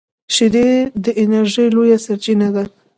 شیدې د انرژۍ لویه سرچینه ده